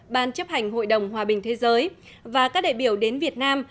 ban chấp hành hội đồng hòa bình thế giới và các đại biểu đến việt nam